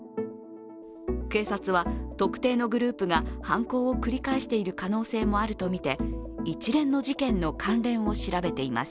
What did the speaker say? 警察は特定のグループが犯行を繰り返す可能性があるとみて一連の事件の関連を調べています。